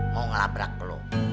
mau ngelabrak lu